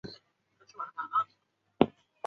白云百蕊草为檀香科百蕊草属下的一个种。